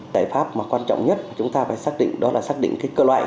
tại pháp quan trọng nhất chúng ta phải xác định đó là xác định cơ loại